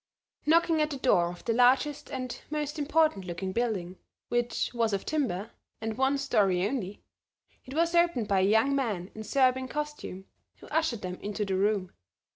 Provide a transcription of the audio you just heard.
Knocking at the door of the largest and most important looking building, which was of timber, and one story only, it was opened by a young man in Servian costume who ushered them into the room.